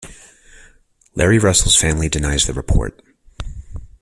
Larry Russell's family denies the report.